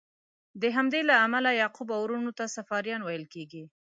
له همدې امله یعقوب او وروڼو ته صفاریان ویل کیږي.